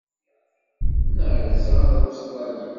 Nerza ar Ustṛalya.